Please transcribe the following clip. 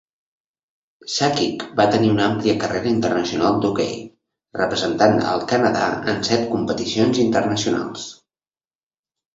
Sakic va tenir una àmplia carrera internacional d'hoquei, representant el Canadà en set competicions internacionals.